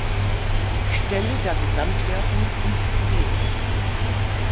Stelle der Gesamtwertung ins Ziel.